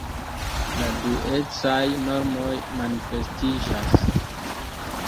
La duecaj normoj manifestiĝas.